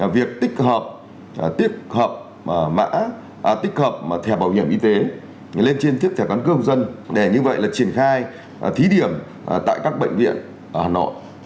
việc tích hợp tích hợp mã tích hợp thẻ bảo hiểm y tế lên trên thiết thẻ căn cước công dân để như vậy là triển khai thí điểm tại các bệnh viện ở hà nội